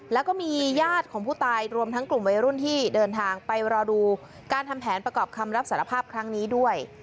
แล้วก็มีญาติของผู้ตายรวมทั้งกลุ่มวัยรุ่นที่เดินทางไปรอดูการทำแผนประกอบคำรับสารภาพครั้งนี้ด้วย